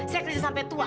saya kerja sampai tua